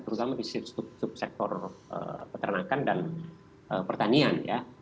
terus sama di subsektor peternakan dan pertanian